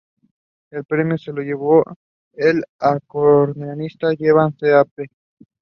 She is now the executive director of the environmental and political organization Sowing Justice.